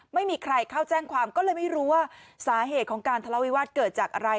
ไม่มีใครเข้าแจ้งความก็เลยไม่รู้ว่าสาเหตุของการทะเลาวิวาสเกิดจากอะไร